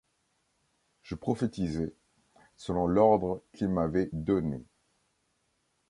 Je prophétisai, selon l'ordre qu'il m'avait donné.